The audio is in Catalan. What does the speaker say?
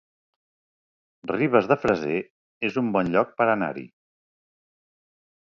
Ribes de Freser es un bon lloc per anar-hi